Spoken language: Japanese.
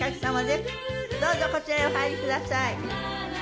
どうぞこちらへお入りください。